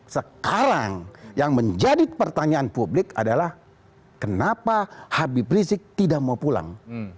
sekarang yang menjadi pertanyaan publik adalah kenapa habib rizik tidak mau pulang